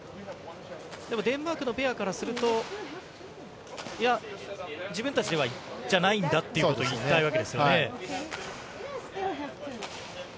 でもデンマークのペアからすると、いや、自分たちじゃないんだということを言いたいわけですよね。